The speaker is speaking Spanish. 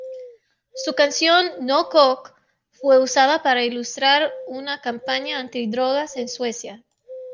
Su canción "No coke" fue usada para ilustrar una campaña antidrogas en Suecia.